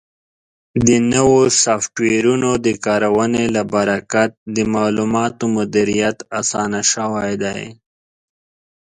د نوو سافټویرونو د کارونې له برکت د معلوماتو مدیریت اسان شوی دی.